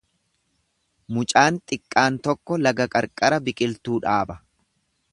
Mucaan xiqqaan tokko laga qarqara biqiltuu dhaaba.